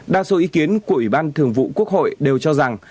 đa số ý kiến của ủy ban thường vụ quốc hội đều cho rằng